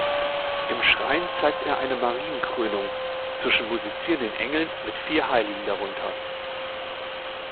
Im Schrein zeigt er eine Marienkrönung zwischen musizierenden Engeln mit vier Heiligen darunter.